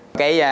nó xảy ra